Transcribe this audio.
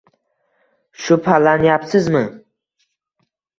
Shubhalanyapsizmi